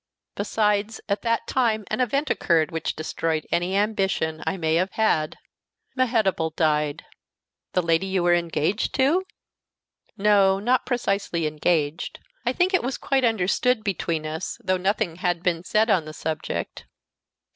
Besides, at that time an event occurred which destroyed any ambition I may have had. Mehetabel died." "The lady you were engaged to?" "No, not precisely engaged. I think it was quite understood between us, though nothing had been said on the subject.